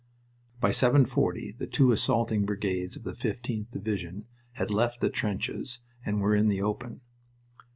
By seven forty the two assaulting brigades of the 15th Division had left the trenches and were in the open.